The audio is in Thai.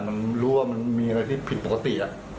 มันรู้ว่ามันมีอะไรที่ผิดปกติ